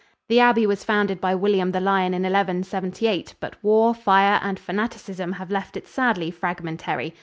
The abbey was founded by William the Lion in 1178, but war, fire and fanaticism have left it sadly fragmentary.